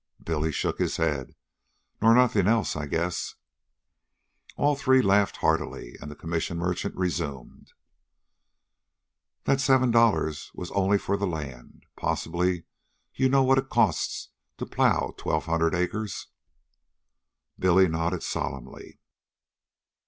Billy shook his head. "Nor nothin' else, I guess." All three laughed heartily and the commission merchant resumed: "That seven dollars was only for the land. Possibly you know what it costs to plow twelve hundred acres?" Billy nodded solemnly.